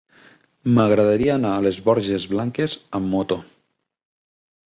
M'agradaria anar a les Borges Blanques amb moto.